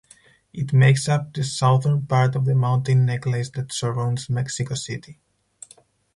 It makes up the southern part of the mountain necklace that surrounds Mexico City.